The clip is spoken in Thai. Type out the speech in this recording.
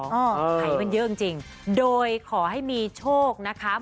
หายมันเยอะจริงโดยขอให้มีโชคนะคะ